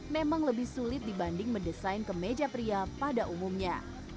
memang lebih sulit dibanding mendesain kemeja pria pada umumnya